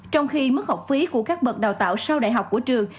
trong khi mức học phí của các bậc đào tạo sau đại học của trường